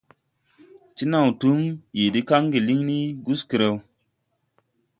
Ti naw tum yii de kaŋge liŋ ni Guskreo.